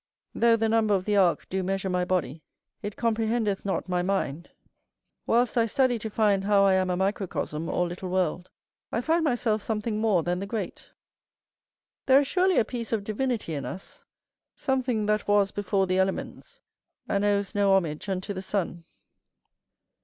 Though the number of the ark do measure my body, it comprehendeth not my mind. Whilst I study to find how I am a microcosm, or little world, I find myself something more than the great. There is surely a piece of divinity in us; something that was before the elements, and owes no homage unto the sun.